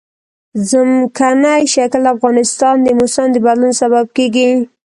ځمکنی شکل د افغانستان د موسم د بدلون سبب کېږي.